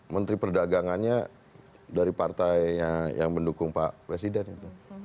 menteri perdagangannya dari partai yang mendukung pak presiden itu